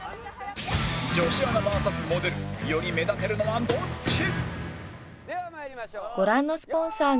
女子アナ ＶＳ モデルより目立てるのはどっち？